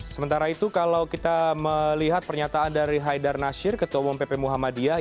sementara itu kalau kita melihat pernyataan dari haidar nasir ketua umum pp muhammadiyah